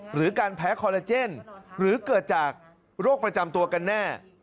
หรือการแพ้คอลลาเจนหรือเกิดจากโรคประจำตัวกันแน่